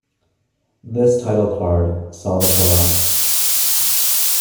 This title card saw the show out.